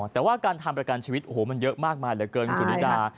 แต่ว่าการทำประกันชีวิตมันเยอะมากมากเลยเกินสุนิทรา